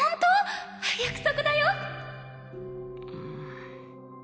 約束だよ。